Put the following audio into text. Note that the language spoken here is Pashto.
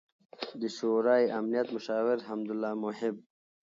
، د شورای امنیت مشاور حمد الله محب